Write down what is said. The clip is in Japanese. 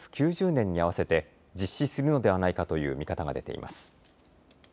９０年に合わせて実施するのではないかという見方が出ています。